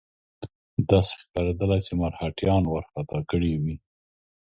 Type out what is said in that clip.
داسې ښکارېدله چې مرهټیان وارخطا کړي وي.